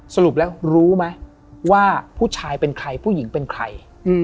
สรุปแล้วรู้ไหมว่าผู้ชายเป็นใครผู้หญิงเป็นใคร